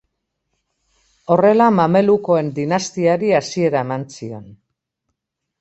Horrela Mamelukoen dinastiari hasiera eman zion.